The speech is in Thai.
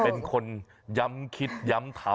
เป็นคนย้ำคิดย้ำทำ